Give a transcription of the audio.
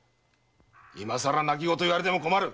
今さら泣きごと言われても困る！